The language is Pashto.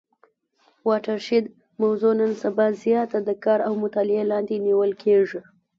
واټر شید موضوع نن سبا زیاته د کار او مطالعې لاندي نیول کیږي.